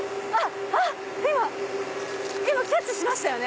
今キャッチしましたよね！